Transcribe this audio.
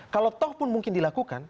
kalau toh pun mungkin dilakukan